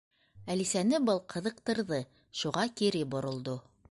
Әлисәне был ҡыҙыҡтырҙы, шуға кире боролдо.